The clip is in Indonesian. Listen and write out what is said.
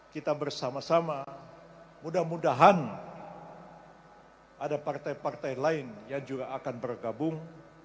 kita bersama sama mudah mudahan ada partai partai lain yang juga akan bergabung